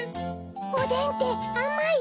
おでんってあまい？